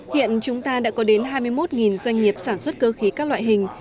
hiện chúng ta đã có đến hai mươi một doanh nghiệp sản xuất cơ khí các loại hình